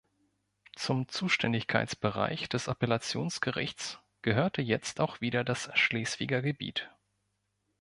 Zum Zuständigkeitsbereich des Appellationsgerichts gehörte jetzt auch wieder das Schleswiger Gebiet.